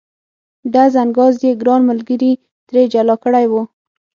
ډز انګاز یې ګران ملګري ترې جلا کړی و.